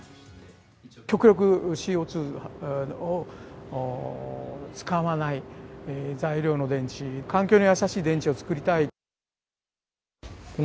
極力、ＣＯ２を使わない材料の電池、環境に優しい電池を作りたい。